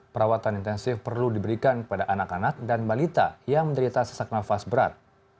perawatan intensif perlu diberikan kepada anak anak dan balita yang menderita sesak nafas berat